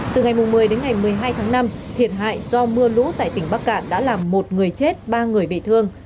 từ ngày một mươi đến ngày một mươi hai tháng năm thiệt hại do mưa lũ tại tỉnh bắc cạn đã làm một người chết ba người bị thương